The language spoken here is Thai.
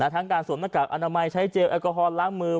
ทั้งการสวมหน้ากากอนามัยใช้เจลแอลกอฮอลล้างมือ